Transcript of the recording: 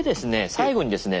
最後にですね